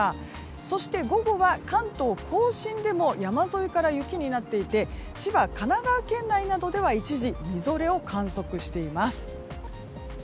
そして、午後は関東・甲信でも山沿いから雪になっていて千葉、神奈川県内などでは一時、みぞれを確認しています。